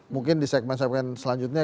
mungkin di segmen segmen selanjutnya